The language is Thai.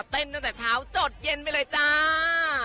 ตั้งแต่เช้าจดเย็นไปเลยจ้า